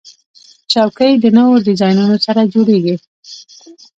چوکۍ د نوو ډیزاینونو سره جوړیږي.